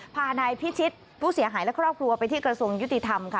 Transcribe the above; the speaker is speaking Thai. พานายพิชิตผู้เสียหายและครอบครัวไปที่กระทรวงยุติธรรมค่ะ